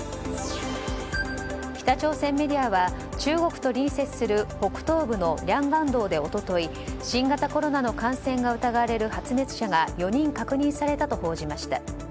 北朝鮮メディアは中国と隣接する北東部のリャンガン道で一昨日新型コロナの感染が疑われる発熱者が４人確認されたと報じました。